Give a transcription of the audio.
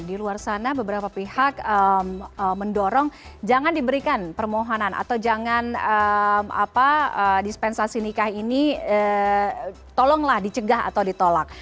di luar sana beberapa pihak mendorong jangan diberikan permohonan atau jangan dispensasi nikah ini tolonglah dicegah atau ditolak